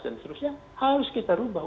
dan seterusnya harus kita rubah